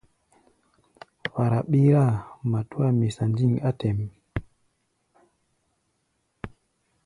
Fara ɓíráa, matúa misa ndîŋ á tɛ̌ʼm.